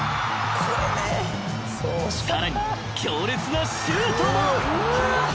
［さらに強烈なシュートも］